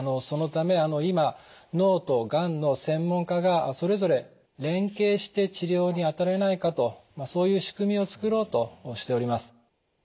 そのため今脳とがんの専門家がそれぞれ連携して治療に当たれないかとそういう仕組みを作ろうとしております。